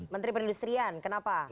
menteri perindustrian kenapa